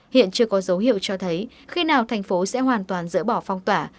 hiện chưa có dấu hiệu cho thấy khi nào thành phố sẽ hoàn toàn dỡ bỏ phong tỏa